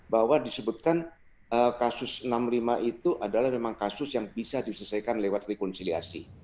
bahwa disebutkan kasus enam puluh lima itu adalah memang kasus yang bisa diselesaikan lewat rekonsiliasi